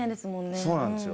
そうなんですよ。